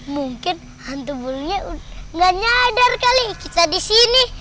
mungkin hantu bullnya nggak nyadar kali kita di sini